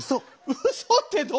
うそってどれ⁉